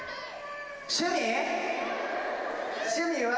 趣味は？